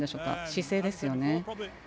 姿勢ですよね。